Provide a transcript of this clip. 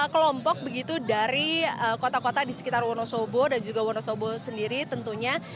satu ratus lima puluh kelompok begitu dari kota kota di sekitar wonosobo dan juga wonosobo sendiri tentunya